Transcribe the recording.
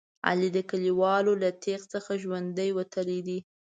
علي د کلیوالو له تېغ څخه ژوندی وتلی دی.